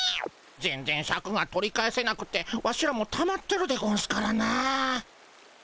全然シャクが取り返せなくてワシらもたまってるでゴンスからなあ。